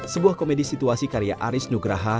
sebuah komedi situasi karya aris nugraha